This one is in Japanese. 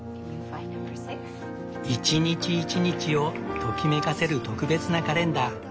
一日一日をときめかせる特別なカレンダー。